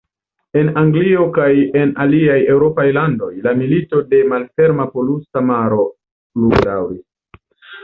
En Anglio kaj en aliaj eŭropaj landoj, la mito de "Malferma Polusa Maro" pludaŭris.